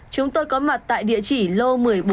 chúng tôi có mặt tại địa chỉ lô một mươi bốn một mươi năm